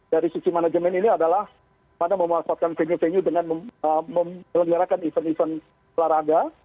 dari sisi manajemen ini adalah pada memanfaatkan femi femi dengan memeliharakan event event olahraga